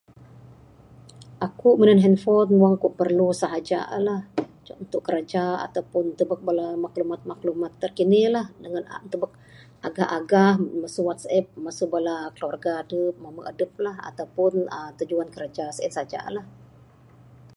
Aku minan handphone wang ku perlu saja la untuk kerja ato pun bala maklumat maklumat terkini lah dangan tubek agah agah masu WhatsApp masu bala keluarga adep mamba adep lah ato pun tujuan kerja lah.